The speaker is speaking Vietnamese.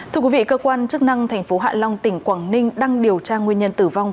thưa quý vị cơ quan chức năng thành phố hạ long tỉnh quảng ninh đang điều tra nguyên nhân tử vong